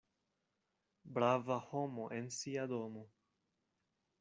Brava homo en sia domo.